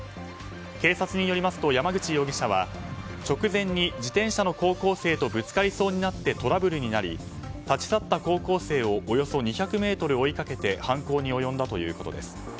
警察によりますと山口容疑者は直前に自転車の高校生とぶつかりそうになりトラブルになり立ち去った高校生をおよそ２００ｍ追いかけて犯行に及んだということです。